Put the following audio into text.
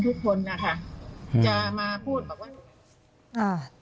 ลองการกลุ่มมาสามพ่อ